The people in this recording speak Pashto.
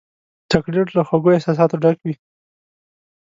چاکلېټ له خوږو احساساتو ډک وي.